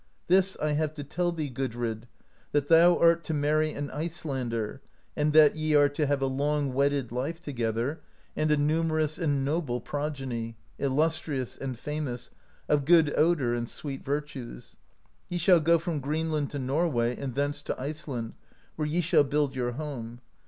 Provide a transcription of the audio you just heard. This I have to tell thee, Gudrid, that thou art to marry an Icelander, and that ye are to have a long w^edded life together, and a numerous and noble progeny, illustrious, and famous, of good odour and sweet virtues. Ye shall go from Greenland to Nor w^ay, and thence to Iceland, where ye shall build your home.